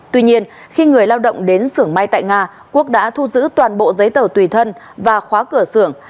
tuy nhiên khi người lao động đến xưởng may tại nga quốc đã thu giữ toàn bộ giấy tờ tùy thân và khóa cửa xưởng